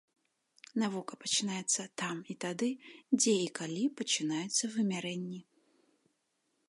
Навука пачынаецца там і тады, дзе і калі пачынаюцца вымярэнні.